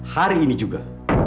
hari ini juga